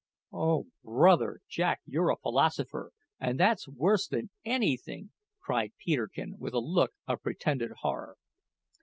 "Oh, bother! Jack, you're a philosopher, and that's worse than anything!" cried Peterkin with a look of pretended horror.